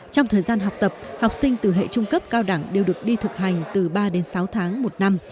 trong thời gian học tập học sinh từ hệ trung cấp cao đẳng đều được đi thực hành từ ba đến sáu tháng một năm